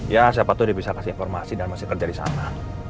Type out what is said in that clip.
ya siapa tuh dia bisa kasih informasi dan masih kerja di sana